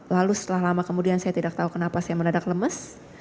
lalu setelah lama kemudian saya tidak tahu kenapa saya menadak lemes